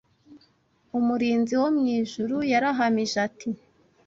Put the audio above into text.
Umurinzi wo mu ijuru yarahamije ati